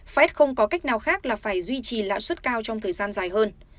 fed không có cách nào khác là phải duy trì lãi suất cao trong thời gian dài hơn